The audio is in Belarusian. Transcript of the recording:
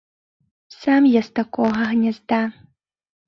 Сам я з такога гнязда.